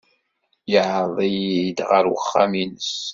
Yeɛreḍ-iyi-d ɣer uxxam-nnes.